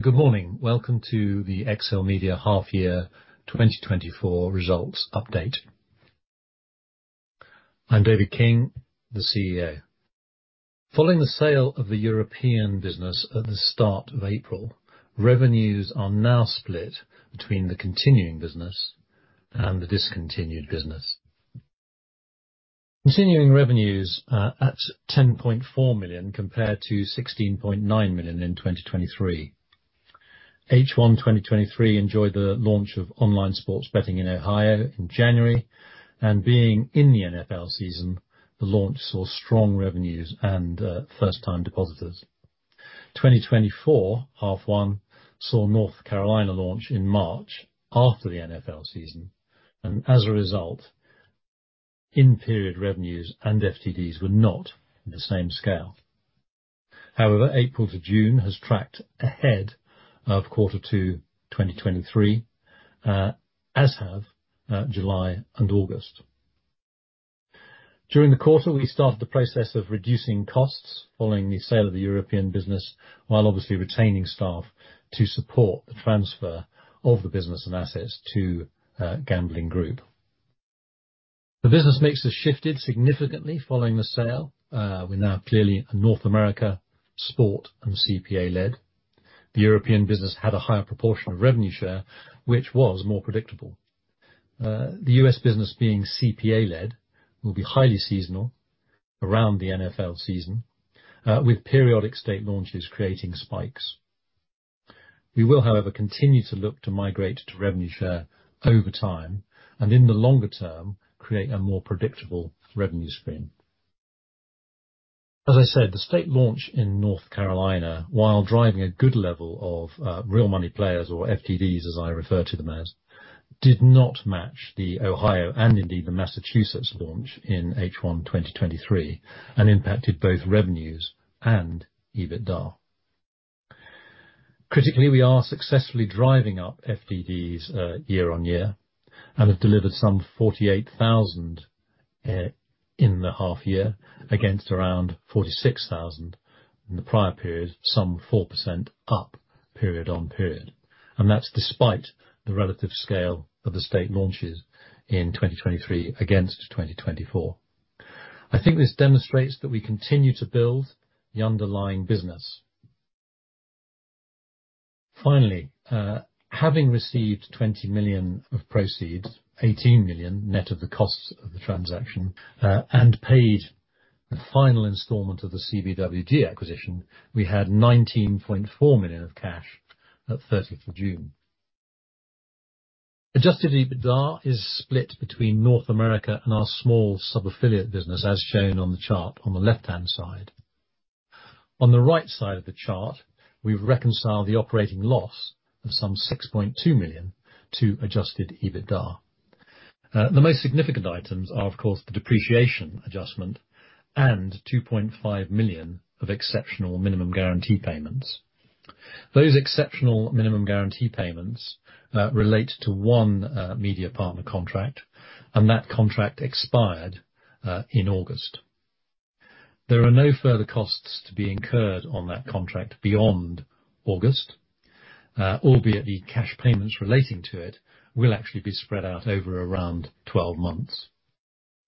Good morning. Welcome to the XLMedia Half Year 2024 Results update. I'm David King, the CEO. Following the sale of the European business at the start of April, revenues are now split between the continuing business and the discontinued business. Continuing revenues are at $10.4 million, compared to $16.9 million in 2023. H1 2023 enjoyed the launch of online sports betting in Ohio in January, and being in the NFL season, the launch saw strong revenues and first time depositors. 2024, H1, saw North Carolina launch in March after the NFL season, and as a result, in-period revenues and FTDs were not in the same scale. However, April to June has tracked ahead of Q2 2023, as have July and August. During the quarter, we started the process of reducing costs following the sale of the European business, while obviously retaining staff to support the transfer of the business and assets to, Gambling.com Group. The business mix has shifted significantly following the sale. We're now clearly a North America sport and CPA-led. The European business had a higher proportion of revenue share, which was more predictable. The U.S. business, being CPA-led, will be highly seasonal around the NFL season, with periodic state launches creating spikes. We will, however, continue to look to migrate to revenue share over time and, in the longer term, create a more predictable revenue stream. As I said, the state launch in North Carolina, while driving a good level of real money players, or FTDs, as I refer to them as, did not match the Ohio and indeed the Massachusetts launch in H1 2023 and impacted both revenues and EBITDA. Critically, we are successfully driving up FTDs year-on-year and have delivered some 48,000 in the half year, against around 46,000 in the prior period, some 4% up period-on-period, and that's despite the relative scale of the state launches in 2023 against 2024. I think this demonstrates that we continue to build the underlying business. Finally, having received $20 million of proceeds, $18 million net of the costs of the transaction, and paid the final installment of the CBWG acquisition, we had $19.4 million of cash at 30th of June. Adjusted EBITDA is split between North America and our small sub-affiliate business, as shown on the chart on the left-hand side. On the right side of the chart, we've reconciled the operating loss of some $6.2 million to adjusted EBITDA. The most significant items are, of course, the depreciation adjustment and $2.5 million of exceptional minimum guarantee payments. Those exceptional minimum guarantee payments relate to one media partner contract, and that contract expired in August. There are no further costs to be incurred on that contract beyond August, albeit the cash payments relating to it will actually be spread out over around 12 months.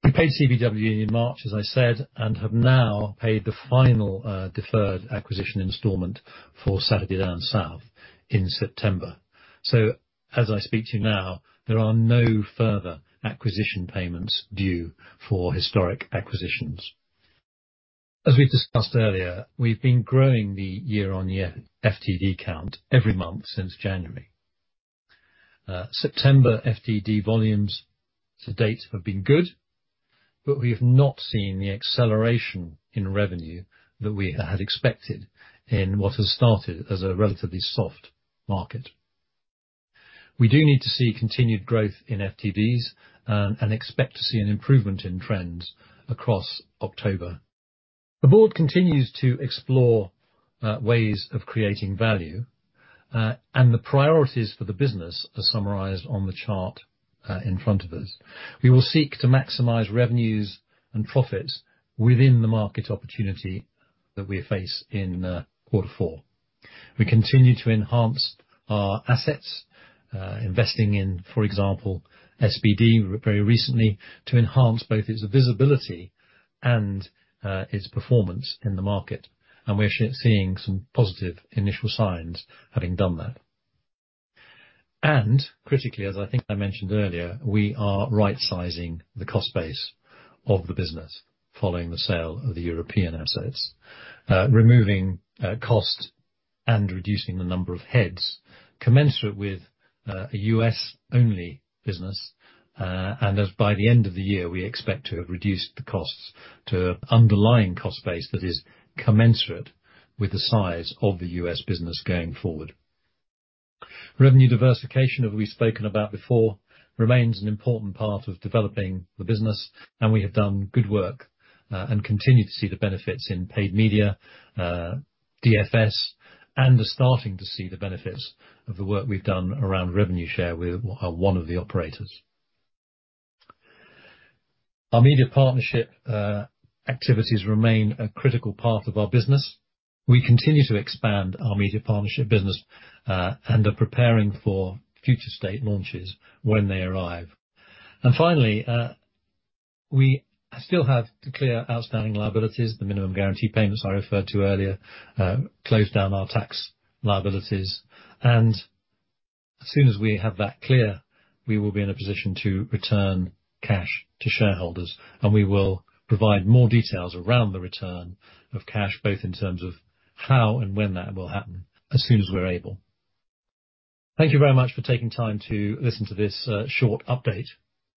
We paid CBW in March, as I said, and have now paid the final deferred acquisition installment for Saturday Down South in September. So as I speak to you now, there are no further acquisition payments due for historic acquisitions. As we discussed earlier, we've been growing the year-on-year FTD count every month since January. September FTD volumes to date have been good, but we have not seen the acceleration in revenue that we had expected in what has started as a relatively soft market. We do need to see continued growth in FTDs and expect to see an improvement in trends across October. The board continues to explore ways of creating value, and the priorities for the business are summarized on the chart in front of us. We will seek to maximize revenues and profits within the market opportunity that we face in Q4. We continue to enhance our assets, investing in, for example, SBD very recently, to enhance both its visibility and its performance in the market, and we're seeing some positive initial signs having done that, and critically, as I think I mentioned earlier, we are right-sizing the cost base of the business following the sale of the European assets, removing costs and reducing the number of heads commensurate with a US-only business, and as by the end of the year, we expect to have reduced the costs to underlying cost base that is commensurate with the size of the US business going forward. Revenue diversification, as we've spoken about before, remains an important part of developing the business, and we have done good work, and continue to see the benefits in paid media, DFS, and are starting to see the benefits of the work we've done around revenue share with one of the operators. Our media partnership activities remain a critical part of our business. We continue to expand our media partnership business, and are preparing for future state launches when they arrive. Finally, we still have to clear outstanding liabilities, the minimum guarantee payments I referred to earlier, close down our tax liabilities, and as soon as we have that clear, we will be in a position to return cash to shareholders, and we will provide more details around the return of cash, both in terms of how and when that will happen, as soon as we're able. Thank you very much for taking time to listen to this short update.